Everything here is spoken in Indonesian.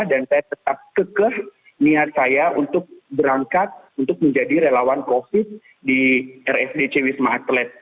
dan saya tetap kekeh niat saya untuk berangkat untuk menjadi relawan covid sembilan belas di rsbc wisma atlet